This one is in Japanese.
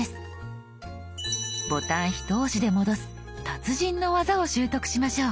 ボタンひと押しで戻す達人の技を習得しましょう。